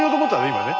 今ね。